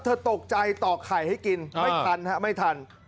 เธอตกใจต่อไข่ให้กินไม่ทันฮะไม่ทัน